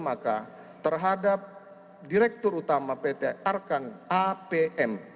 maka terhadap direktur utama pt arkan apm